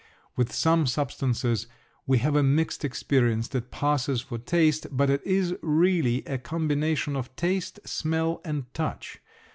With some substances we have a mixed experience that passes for taste, but it is really a combination of taste, smell, and touch.